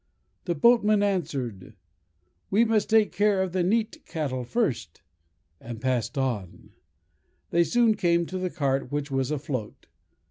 The boatman answered, "we must take care of the neat cattle first," and passed on. They soon came to the cart, which was afloat.